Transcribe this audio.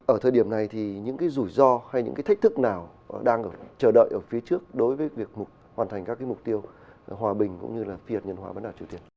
ở thời điểm này thì những rủi ro hay những thách thức nào đang chờ đợi ở phía trước đối với việc hoàn thành các mục tiêu hòa bình cũng như phiền nhân hóa bản đảo triều tiên